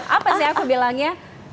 apa sih aku bilangnya